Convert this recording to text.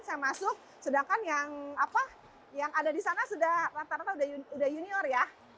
saya masuk sedangkan yang ada di sana sudah rata rata udah junior ya